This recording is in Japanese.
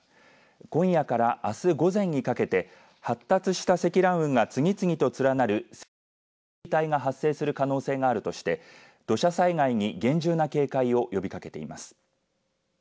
今夜からあす午前にかけて発達した積乱雲が次々と連なる線状降水帯が発生する可能性があるとして土砂災害に厳重な警戒を呼びかけています。